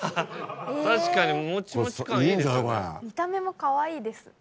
見た目もかわいいです。